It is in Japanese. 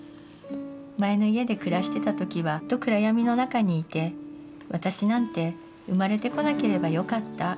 前の家で暮らしてた時はずっと暗闇の中にいて『私なんて生まれてこなければよかった』